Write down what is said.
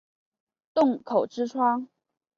洞口之窗